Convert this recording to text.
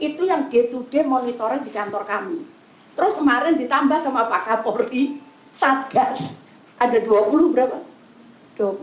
itu yang day to day monitoring di kantor kami terus kemarin ditambah sama pak kapolri satgas ada dua puluh berapa